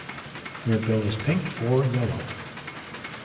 Their bill is pink or yellow.